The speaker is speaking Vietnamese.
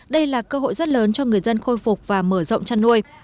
đây là cơ hội rất lớn cho người dân khôi phục và mở rộng chăn nuôi